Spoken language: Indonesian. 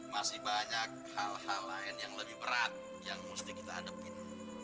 masih banyak hal hal lain yang lebih berat yang mesti kita hadapin